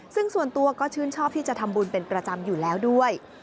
ซึ่งส่วนตัวก็ชื่นชอบที่จะทำบุญเป็นประจำอยู่แล้วด้วย